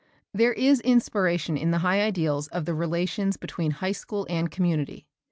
There is inspiration in the high ideals of the relations between high school and community.